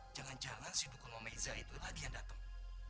jangan jangan si dukungan iza itu lagi yang datang